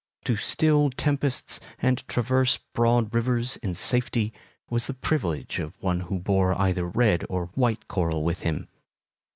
To still tempests and traverse broad rivers in safety was the privilege of one who bore either red or white coral with him.